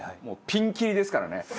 もうピンキリですからね。